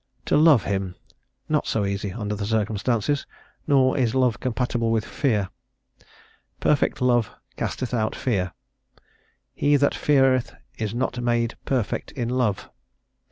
"To love him;" not so easy, under the circumstances, nor is love compatible with fear; "perfect love casteth out fear... he that feareth is not made perfect in love."